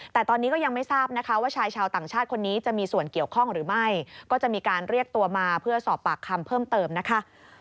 แต่ตอนนี้ก็ยังไม่ทราบนะคะว่าชายชาวต่างชาติคนนี้จะมีส่วนเกี่ยวข้องหรือไม่ก็จะมีการเรียกตัวมาเพื่อสอบปากคำเพิ่มเติมนะคะ